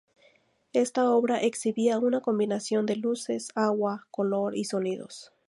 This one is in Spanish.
Esta obra exhibía una combinación de luces, agua, color y sonidos.